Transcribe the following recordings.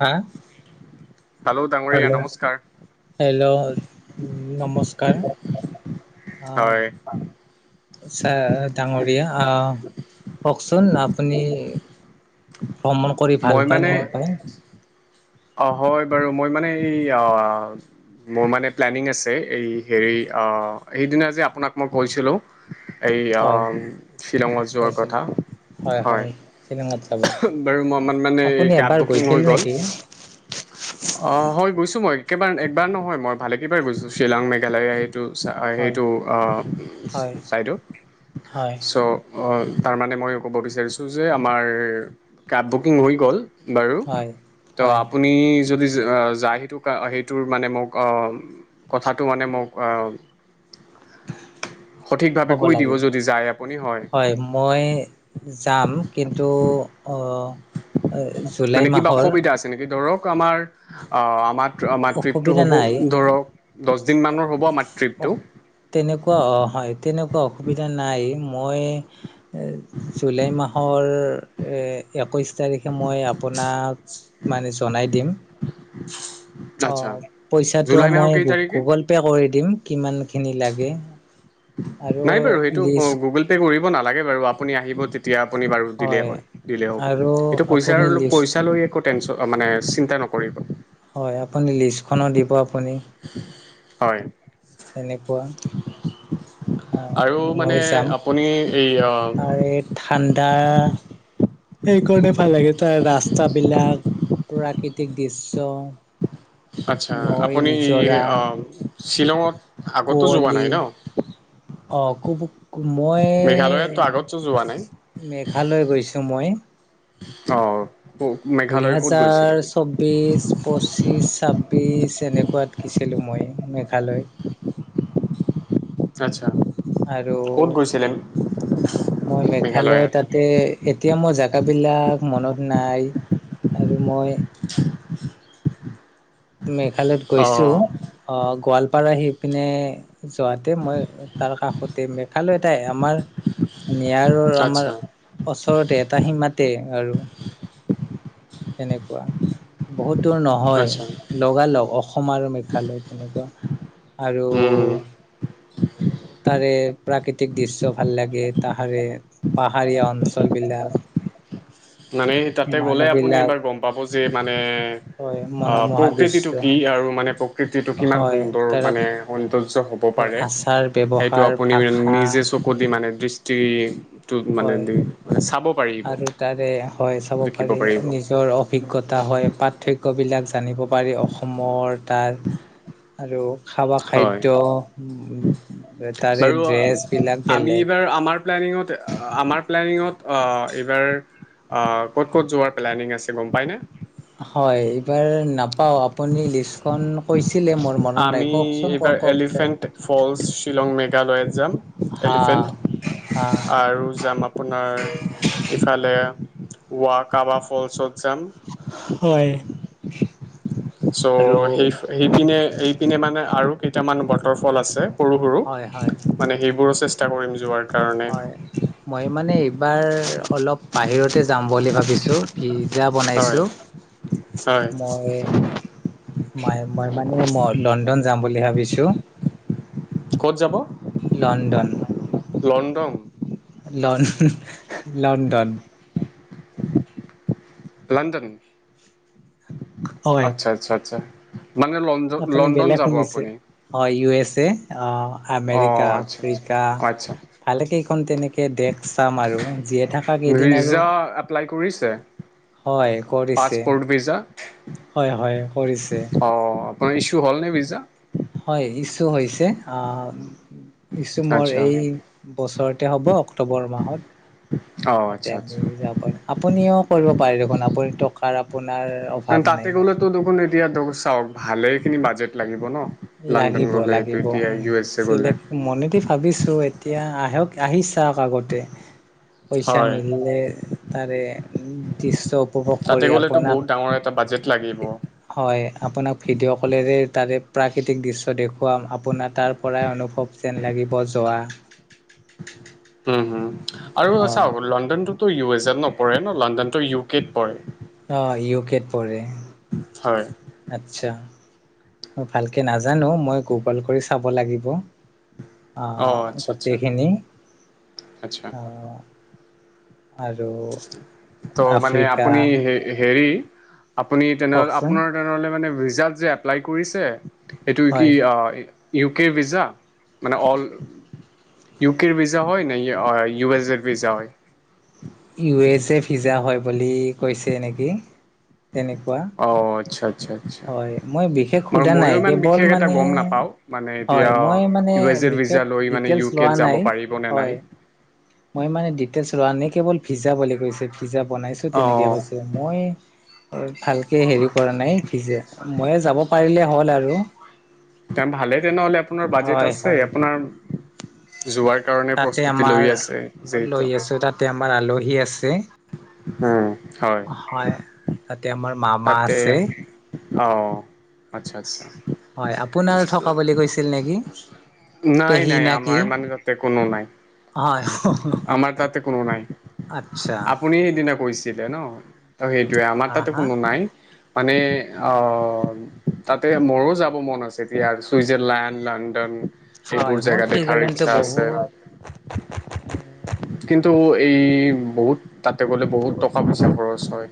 হা হেল্লো ডাঙৰীয়া হেল্ল' নমস্কাৰ। হেল্ল' নমস্কাৰ হয় আহ। ছাৰ, ডাঙৰীয়া আহ কওঁকচোন আপুনি- ভ্ৰমণ কৰি ভাল পায় নে নাপায়? অঁ, হয় বাৰু। মই মানে এই অঁ- মোৰ মানে প্লেনিং আছে। এই হেৰি অঁ, সেইদিনা যে আপোনাক মই কৈছিলোঁ- এই হয় আহ শ্বিলঙত যোৱাৰ কৈছিল কথা। হয়, হয় শ্বিলঙত যাব। বাৰু মই মান মানে আপুনি কেব এবাৰ গৈছিল নেকি? [inaudible] অঁ, হয় গৈছোঁ মই, এক একবাৰ নহয় মই, ভালে কেইবাৰ গৈছোঁ শ্বিলং, মেঘালয় এইটো- হয় সেইটো হয় ছাইডৰ হয় ছ'- অঁ, তাৰমানে মই ক'ব বিচাৰিছোঁ যে আমাৰ কোব বুকিং হৈ গ'ল- বাৰু। হয় ত হয় আপুনি- যদি যায়, সেইটো সেইটোৰ মানে মোক অঁ- কথাটো মানে মোক অঁ- সঠিক ভাৱে ক'ব কৈ লাগে দিব যদি যায়, আপুনি হয়- মই যাম। কিন্তু অঁ- হয়। মানে কিবা অসুবিধা আছে নেকি? ধৰক আমাৰ আ আমাৰ আমাৰ ট্ৰিপটো অসুবিধা হ'ব। নাই ধৰক দহ দিন মানৰ হ'ব মা- অঁ, তেনেকুৱা হয়, তেনেকুৱা অসুবিধা নাই। মই- জুলাই মাহৰ এই একৈশ - তাৰিখে মই আপোনাক মানে জনাই দিম। আচ্ছা অঁ, পইচাটো জুলাই মাহৰ মই কেই তাৰিখে গুগল পে কৰি দিম, কিমান খিনি লাগে! আৰু নাই বাৰু, সেইটো লিষ্ট গুগল পে' কৰিব নালাগে বাৰু, আপুনি আহিব- তেতিয়া আপুনি বাৰু দিলেই হয় দিলেই হ'ব, আৰু সেইটো পইচাৰ আপুনি লিষ্ট পইচা লৈ - টেনচন মানে চিন্তা নকৰিব। হয়, আপুনি লিষ্টখনো দিব আপুনি। হয়। তেনেকুৱা। অঁ, আৰু মানে মই যাম আপুনি এই তাৰে- ঠাণ্ডা সেইকাৰণে ভাল লাগে, তাৰ ৰাস্তা বিলাক- প্ৰাকৃতিক দৃশ্য, - আচ্ছা, আপুনি অ শ্বিলঙত- আগতো যোৱা কুৱলি নাই ন অঁ, খুব- মই মেঘালয়তো আগতো যোৱা নাই মেঘালয় গৈছোঁ মই। অঁ। দুই হাজাৰ চৌবিশ, - পঁচিছ, ছাব্বিছ এনেকুৱাত গৈছিলোঁ মই মেঘালয়। আচ্ছা। আৰু ক'ত গৈছিলে মই মেঘালয় মেঘালয়ৰ তাত- তে এতিয়া মোৰ জেগাবিলাক মনত নাই আৰু মই মেঘালয়ত অ গৈছো অ গোৱালপাৰা সেইপিনে। যোৱাতে মই তাৰ কাষতে মেখালয়তে আমাৰ নিয়াৰৰ আমাৰ আচ্ছা ওচৰতে এটা সীমাতে আৰু। তেনেকুৱা। বহুত দূৰ নহয়, আচ্ছা লগালগ অসম আৰু মেঘালয় তেনেকুৱা। আৰু উম তাৰে প্ৰাকৃতিক দৃশ্য ভাল লাগে, তাহাৰে পাহাৰীয়া অঞ্চল বিলাক। মানে তাতে গলে মানুহ আপুনি বিলাক এবাৰ গম পাব যে, মানে হয় মনোমোহা দৃশ্য প্ৰকৃতিটো কি আৰু মানে কৃতিটো কিমান হয় সুন্দৰ তাৰ মানে সৌন্দৰ্য্য হ'ব তাৰ পাৰে আচাৰ সেইটো ব্যৱহাৰ আপুনি ভাষা নিজে মানে দৃষ্টিটো মানে হয় চাব পাৰিব। আৰু তাৰে হয়, চাব দেখিব পাৰি পাৰিব নিজৰ অভিজ্ঞতা হয়, পাৰ্থক্যবিলাক জানিব পাৰি, অসমৰ তাৰ আৰু খাবা হয় খাদ্য তাৰে বাৰু ড্ৰেছবিলাক আমি বেলেগ। এইবাৰ আমাৰ। প্লেনিঙত আমাৰ প্লেনিঙত আ এইবাৰ আ ক'ত ক'ত যোৱাৰ প্লেনিং আছে গম পায়নে? হয় এইবাৰ নাপাওঁ আপুনি লিষ্টখন কৈছিলে মোৰ মনত নাই, কওঁকচোন কওঁক কওঁক। ফলছ শ্বিলং মেঘালয়ত যাম, হা এলিফেণ্ট হা আৰু যাম আপোনাৰ ইফালে ৱা কাবা ফলছত যাম। হয়। চ' আৰু সেই সেইপিনে এইপিনে মানে আৰু কেইটামান ৱাটাৰফল আছে। সৰু সৰু হয় হয় মানে সেইবোৰো চেষ্টা কৰিম যোৱাৰ। কাৰণে হয় মই মানে এইবাৰ অলপ বাহিৰতে যাম বুলি ভাবিছোঁ, ভিজ্জা হয় বনাইছোঁ। হয় মই মা মই মানে লণ্ডন যাম বুলি ভাবিছো। ক'ত যাব? লণ্ডন। লণ্ডন। ল লণ্ডন। লণ্ডন? হয় আচ্ছা, আচ্ছা, আচ্ছা। মানে লণ আপুনি লণ্ডন বেলেগ যাব শুনিছে আপুনি? হয়, ইউ এছ এ অঁ আমেৰিকা, আচ্ছা আচ্ছা আফ্ৰিকা। আচ্ছা ভালেকেইখন তেনেকে দেশ চাম আৰু, জীয়াই থাকা কেইদিন আৰু ভিজা এপ্লাই কৰিছে? হয় কৰিছে পাছপৰ্ট ভিজা। হয় হয় কৰিছে অ তোমাৰ ইছোঁ হল নে ভিজা? হয় ইচু হৈছে আ ইচো মোৰ আচ্ছা এই বছৰতে হ'ব অক্টোবৰ মাহত। অঁ তাতে আচ্ছা আচ্ছা আমি যাব পাৰো। আপুনিও কৰিব পাৰে দেখোন, আপুনি টকাৰ আপোনাৰ অভাৱ নাই। ত দেখোন এতিয়া চাওক ভালেইখিনি বাজেট লাগিব ন। লণ্ডন লাগিব গ'লে এইটো লাগিব। এতিয়া উম ইউ এছ এ গ'লে চিলেক মনেদি ভাবিছো এতিয়া আহক আহি চাওক আগতে। পইচা হয় মিলিলে তাৰে দৃশ্য উপভোগ তাতে কৰি গ'লেতো বহুত আপোনাক ডাঙৰ এটা বাজেট লাগিব। হয় আপোনাক ভিডিঅ' কলেৰে তাৰে প্ৰাকৃতিক দৃশ্য দেখুৱাম। আপোনাৰ তাৰ পৰাই অনুভৱ যেন লাগিব যোৱা উম হুম আৰু হয় চাওক লণ্ডনটো ত' ইউ এছ এত নপৰে ন লণ্ডনটো ইউ কেত পৰে। অ' ইউ কেত পৰে। হয়। আচ্ছা। মই ভালকে নাজানো মই গুগল কৰি চাব লাগিব। অঁ অ' আচ্ছা আচ্ছা গোটেইখিনি। আচ্ছা আহ। আৰু ত' মানে আফ্ৰিকা আপুনি হে হেৰি আপুনি তেনেহ'লে কওকচোন আপোনাৰ তেনেহ'লে মানে ভিজাত যে এপ্লাই কৰিছে এইটো কি হয় ইউ কে ভিজা? মানে অল ইউ কেৰ ভিজা হয় নে ইউ এছ এৰ ভিজা হয়? ইউ এছ এ ভিজা হয় বুলি কৈছে নেকি তেনেকুৱা অ' আচ্ছা, আচ্ছা। হয় মই বিশেষ বাৰু সোধা নাই ময়ো ইমান কেৱল বিশেষ এটা মানে গম নাপাওঁ মানে হয় এতিয়া মই মানে ইও এছ এ ভিজা বিশেষ [unintelligible] লৈ মানে ডিটেইলছ ইউ কেত লোৱা যাব নাই পাৰিব নে নাই। হয় মই মানে ডিটেলছ লোৱা নাই কেৱল ভিজা বুলি কৈছে, ভিজা বনাইছো তেনেকে অঁ কৈছে। মই ভালকে হেৰি কৰা নাই ভিজা। মই যাব পাৰিলে হ'ল আৰু ভালেই তেনেহ'লে আপোনাৰ বাজেট হয় আছে হয় আপোনাৰ যোৱাৰ কাৰণে তাতে প্ৰস্তুতি আমাৰ লৈ আছে লৈ যিহেতু আছো তাতে আমাৰ আলহী আছে। উম হ হয়, তাতে আমাৰ মামা আছে। অ'। হয় আপোনাৰ থকা বুলি কৈছিল নেকি? নাই পেহী নাই নে কি আমাৰ মানে তাতে কোনো নাই। হয় আমাৰ তাতে কোনো নাই। আচ্ছা আপুনি সেইদিনা কৈছিলে ন? ত' সেইটোৱে আমাৰ হা তাতে হা কোনো নাই মানে অ' তাতে মোৰো যাব মন আছে দিয়া চুইজাৰলেণ্ড, লণ্ডন। হয় এইবোৰ মোৰ জেগা দেখাৰ ছুইজাৰলেণ্ডটো ইচ্ছা আছে। বহুত কিন্তু এই বহুত তাতে গ'লে বহুত টকা পইচা খৰচ হয়।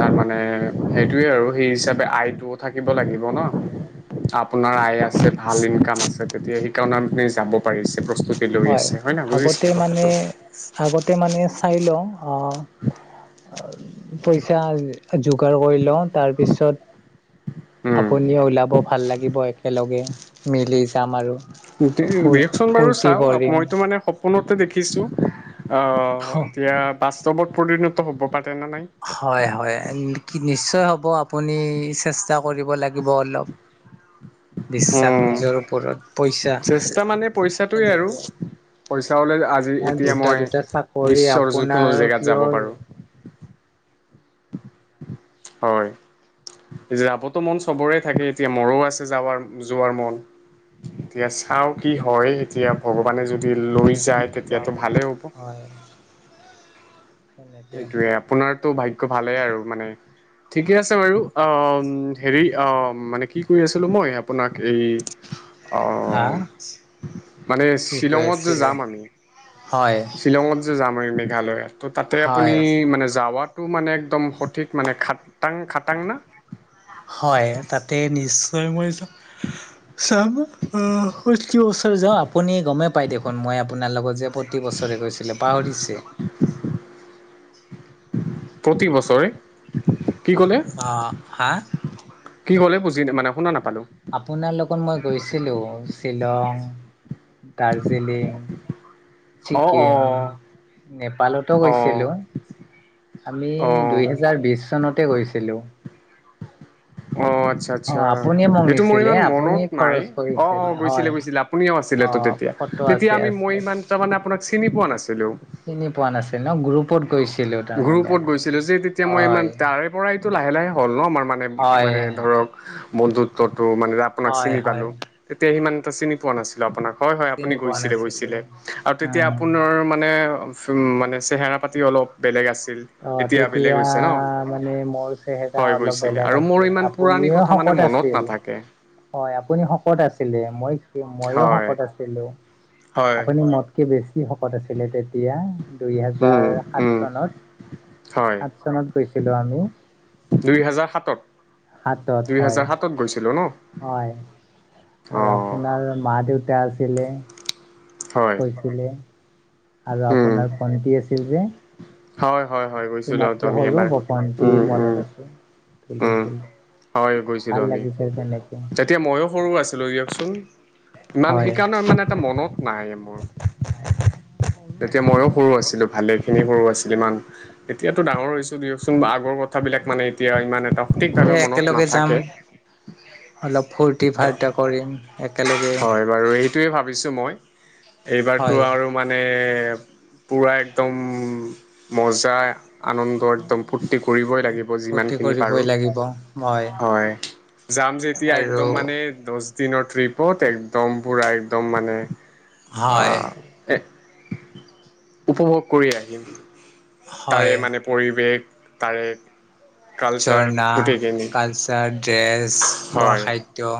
তাৰ মানে সেইটোয়ে আৰু সেই হিচাপে আয়টোও থাকিব লাগিব ন? আপোনাৰ আয় আছে, ভাল ইনকাম আছে। তেতিয়া সেইকাৰণে আপুনি যাব পাৰিছে, প হয় আগতে মানে আগতে মানে চাই লওঁ আহ পইচা যোগাৰ কৰি লওঁ। তাৰপিছত উম আপুনিও ওলাব ভাল লাগিব একেলগে মিলি যাম আৰু ফুত ৰিয়েকচন বাৰু চাওঁ মইতো মানে সপোনতে দেখিছোঁ, আহ' এতিয়া বাস্তৱত পৰিণত হ'ব পাৰে নে নাই। হয়, হয়, কি নিশ্চয় হ'ব আপুনি চেষ্টা কৰিব লাগিব অলপ। বিশ্বাস উম নিজৰ উপৰত পইচা চেষ্টা মানে পইচাটোৱে আৰু এনেকে পইচা হলে আজি তোমাৰ এতিয়া দুটা মই দুটা চাকৰি বিশ্বৰ যিকোনো অপোনাৰ জেগাত যাব কিহৰ পাৰোঁ হয়। যাবতো মন চবৰে থাকে এতিয়া মৰো আছে যাব যোৱাৰ মন। এতিয়া চাও কি হয় এতিয়া ভগৱানে যদি লৈ যায় তেতিয়াতো ভালেই হ'ব। [unintelligible] তেনেকে সেইটোৱে আপোনাৰতো ভাগ্য ভালেই আৰু মানে ঠিকে আছে বাৰু, অ' হেৰি অ মানে কি কৈ আছিলোঁ মই আপোনাক এই অ হা! মানে কি কৈ শ্বিলঙত যে আছিলে যাম আমি, হয় শ্বিলঙত যাম মেঘালয়ত ত' তাতে আপুনি হয় মানে যাৱাত টো মানে একদম সঠিক মানে খাটাং খাটাং না? হয়, তাতে নিশ্চয় মই যাম। উম প্ৰয়েক বছৰে যাওঁ আপুনি গমে পই দেখোন মই আপোনাৰ লগত যে প্ৰতি বছৰে গৈছিলোঁ। পাহৰিছে প্ৰতিবছৰে, কি ক'লে? অ হা কি কলে বুজি মানে শুনা নাপালো? আপোনাৰ লগত মই গৈছিলো শ্বিলং, দাৰ্জিলিং, অঁ ছিকিম, অঁ নেপালতো অঁ গৈছিলো। আমি অঁ দুহেজাৰ বিচ চনতে গৈছিলো। অ অ আচ্ছা অ আচ্ছা, আপুনিয়ে মোক সেইটো মোৰ নিছিলে ইমান আপুনি মনত নাই, খৰচ অ', কৰিছিল অ' গৈছিলে হয় গৈছিলে আপুনিও অ আছিলেতো তেতিয়া। ফটো তেতিয়া আছে আমি আছে মই ইমান আছে তাৰ মানে আপোনাক চিনি পোৱা নাছিলো। চিনি পোৱা নাছিল ন, গ্ৰুপত গৈছি গ্ৰুপত গৈছিলো যে তেতিয়া মই ইমান তাৰে পৰা এইটো লাহে লাহে হ'ল ন আমাৰ মানে হয় মানে ধৰক বন্ধুত্বতো মানে আপোনাক হয় চিনি হয় পালো, তেতিয়া সিমান টা চিনি পোৱা নাছিলো আপোনাক। হয়, হয় আপুনি চিনি পোৱা নাছিলো গৈছিলে-গৈছিলে। আৰু তেতিয়া উম আপোনাৰ মানে মানে চেহেৰা পাতি অলপ বেলেগ আছিল। এতিয়া বেলেগ অ'তেতিয়া হৈছে ন মানে মোৰ চেহেৰা হয় অলপ গৈছিলে বেলেগ আৰু মোৰ আছিল। ইমান পুৰণি বলিয় কথা মানে শকত মনত আছিল। নাথাকে হয় আপুনি শকত আছিলে, মই ময়ো হয় শকত আছিলো, হয় আপুনি মত কে বেছি শকত আছিলে তেতিয়া দুই উম হেজাৰ সাত উম চনত। সাত চনত গৈছিলোঁ আমি। দুইহাজাৰ সাতত। সাঁতত দুই হয়। হেজাৰ সাতত গৈছিলোঁ ন। হয় অ আৰু আপোনাৰ মা দেউতা আছিলে হয় আৰু উম আপোনাৰ ভণ্টি আছিল যে হয় হয় হয় গৈছিলোঁ তোমাতকে আমি সৰু এবাৰ ভন্তি উম উম মনত উম আছে হয় ভাল গৈছিলোঁ আমি, লাগিছিল তেনেকে তেতিয়া ময়ো সৰু আছিলোঁ দিয়কচোন। ইমান হয় সেইকাৰণে মানে এটা মনত নাই মোৰ। তেতিয়া ময়ো সৰু আছিলোঁ ভালেখিনি সৰু আছিল ইমান এতিয়াতো ডাঙৰ হৈছো দিয়কচোন আগৰ কথাবিলাক মানে এতিয়া ইমান এটা এ সঠিকভাৱে মনত একেলগে যাম নাথাকে। অলপ ফূৰ্তি ফাৰ্তা কৰিম একেলগে। হয় বাৰু এইটোৱে ভাবিছোঁ মই, এইবাৰটো হয় আৰু মানে পুৰা একদম মজা আনন্ তো একদম ফূৰ্তি কৰিবই লাগিব যিমানখিনি পাৰোঁ। ৱা মই হয়, যাম যেতিয়া একদম মানে দশ দিনৰ ট্ৰিপত একদম পুৰা একদম মানে আ হয় উপভোগ কৰি আহিম, তাৰে হয় মানে পৰিৱেশ তাৰে কালচাৰ ঝৰ্ণা, গোটেইখিনি কালচাৰ, ড্ৰেছ, খোৱা হয় খাদ্য।